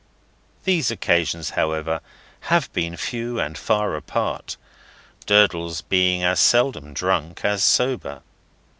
These occasions, however, have been few and far apart: Durdles being as seldom drunk as sober.